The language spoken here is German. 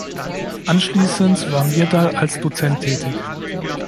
Anschließend war Myrdal als Dozent tätig.